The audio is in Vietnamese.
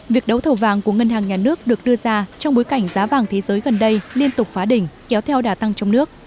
việc đấu thầu vàng của ngân hàng nhà nước được đưa ra trong bối cảnh giá vàng thế giới gần đây liên tục phá đỉnh kéo theo đà tăng trong nước